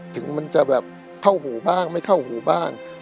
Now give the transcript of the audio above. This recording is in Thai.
ถึงมันจะแบบเข้าหูบ้างไม่เข้าหูบ้าง